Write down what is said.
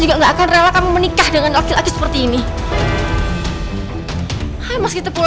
gak ada yang mengharapkan bayi itu